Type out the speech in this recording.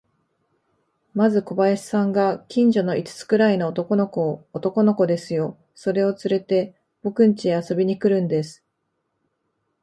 まず小林さんが、近所の五つくらいの男の子を、男の子ですよ、それをつれて、ぼくんちへ遊びに来るんです。